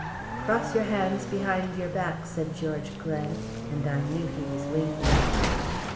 "Cross your hands behind your back," said George Glen, and I knew he was winking.